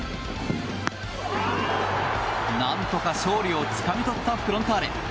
何とか勝利をつかみ取ったフロンターレ。